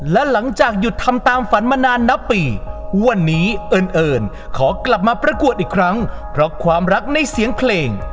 และหลังจากหยุดทำตามฝันมานานนับปีวันนี้เอิญขอกลับมาประกวดอีกครั้งเพราะความรักในเสียงเพลง